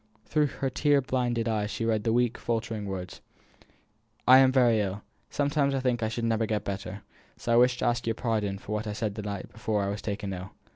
Through her tear blinded eyes she read the weak, faltering words: "I am very ill. I sometimes think I shall never get better, so I wish to ask your pardon for what I said the night before I was taken ill.